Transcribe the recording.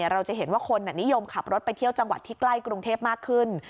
เราจะเห็นว่าคนนิยมขับรถไปเที่ยวจังหวัดที่ใกล้กรุงเทพมากขึ้น